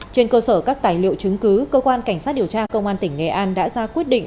trên cơ sở các tài liệu chứng cứ cơ quan cảnh sát điều tra công an tỉnh nghệ an đã ra quyết định